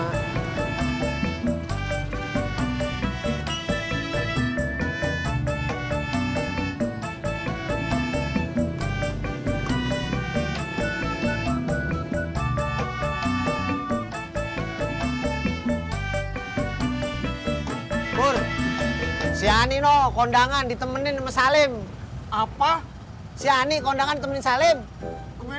hai buru cianino kondangan ditemenin sama salim apa ciany kondangan temen salim gue